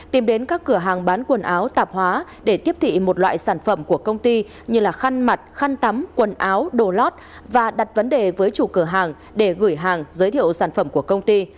tìm đến các cửa hàng bán quần áo tạp hóa để tiếp thị một loại sản phẩm của công ty như khăn mặt khăn tắm quần áo đồ lót và đặt vấn đề với chủ cửa hàng để gửi hàng giới thiệu sản phẩm của công ty